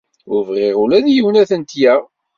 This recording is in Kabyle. Ur bɣiɣ ula d yiwen ad tent-yaɣ.